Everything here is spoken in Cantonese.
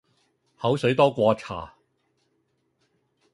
口水多过茶